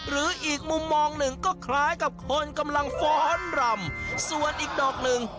หรืออีกมุมมองหนึ่งก็คล้ายกับคนกำลังฟ้อนรำส่วนอีกดอกหนึ่ง